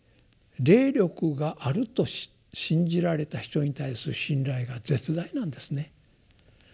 霊力があると信じられた人に対する信頼が絶大なんですね。